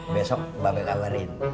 besok bapak kagarin